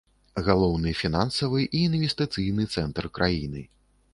Галоўны фінансавы і інвестыцыйны цэнтр краіны.